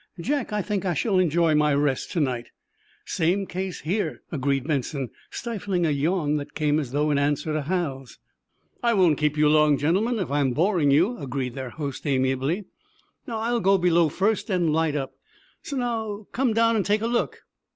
"Jack, I think I shall enjoy my rest to night." "Same case here," agreed Benson, stifling a yawn that came as though in answer to Hal's. "I won't keep you long, gentlemen, if I am boring you," agreed their host, amiably. "Now, I'll go below first and light up. So! Now, come down and take a look.